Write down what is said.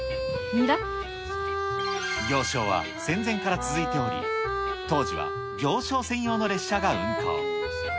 行商は戦前から続いており、当時は行商専用の列車が運行。